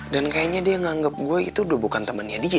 dan kayaknya dia nganggep gue itu udah bukan temennya dia